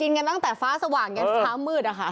กินกันตั้งแต่ฟ้าสว่างยังฟ้ามืดอ่ะค่ะ